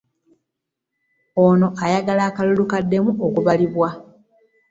Ono ayagala akalulu kaddemu okubalibwa